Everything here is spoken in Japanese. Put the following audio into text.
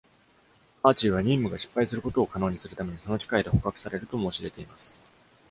アーチ―は任務が「失敗」することを可能にするためにその機械で捕獲されると申し出ています。